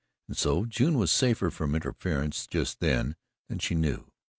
And so June was safer from interference just then than she knew.